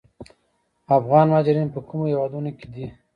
افغان مهاجرین په کومو هیوادونو کې دي؟